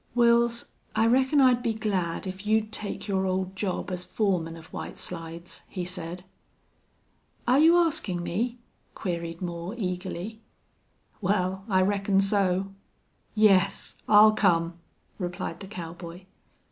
"Wils, I reckon I'd be glad if you'd take your old job as foreman of White Slides," he said. "Are you asking me?" queried Moore, eagerly. "Wal, I reckon so." "Yes, I'll come," replied the cowboy.